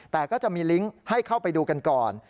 แต่ก็จะมีลิงก์ให้เข้าไปดูกันก่อน